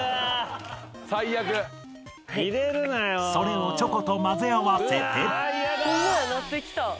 ［それをチョコと混ぜ合わせて］